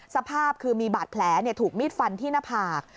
สภาพคือมีบาดแผลถูกมีดฟันที่หน้าผาก